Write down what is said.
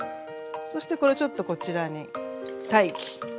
そしてこれをちょっとこちらに待機。